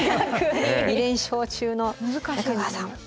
２連勝中の中川さん。